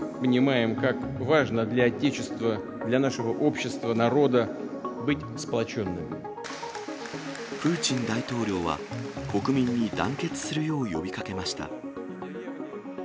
プーチン大統領は、国民に団結するよう呼びかけました。